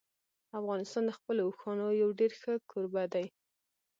افغانستان د خپلو اوښانو یو ډېر ښه کوربه دی.